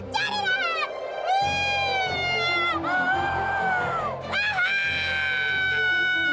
cari rahat wah rahat